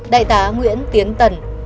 đại tá nguyễn tiến tần